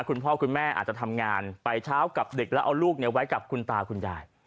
คุณพ่อคุณแม่อาจจะทำงานไปเช้ากับดึกแล้วเอาลูกไว้กับคุณตาคุณยาย